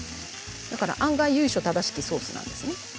案外、由緒正しきソースなんですね。